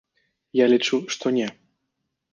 Я лічу, што не.